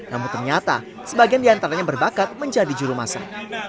namun ternyata sebagian diantaranya berbakat menjadi juru masak